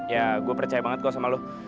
ya gue percaya banget gue sama lu